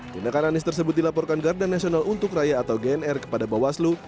tindakan anies tersebut dilaporkan garda nasional untuk raya atau gnr kepada bawaslu